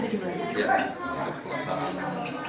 iya untuk tugasannya